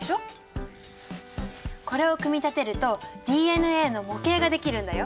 これを組み立てるとＤＮＡの模型ができるんだよ。